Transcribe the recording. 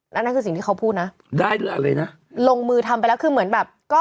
นั่นคือสิ่งที่เขาพูดนะลงมือทำไปแล้วคือเหมือนแบบก็